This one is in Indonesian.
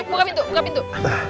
buka pintu buka pintu